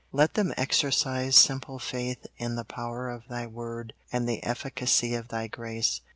Let them exercise simple faith in the power of Thy word and the efficacy of Thy grace.